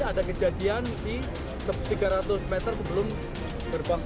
ada kejadian di tiga ratus meter sebelum gerbang